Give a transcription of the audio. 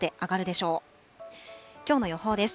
きょうの予報です。